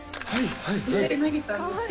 実際に投げたんですよ。